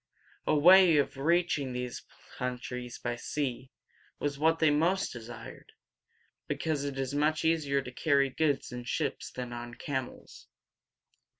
A way of reaching these countries by sea was what they most desired, because it is much easier to carry goods in ships than on camels.